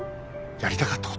やりたかったこと！